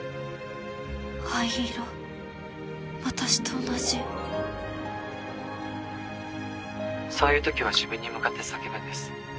灰色私と同じそういう時は自分に向かって叫ぶんです。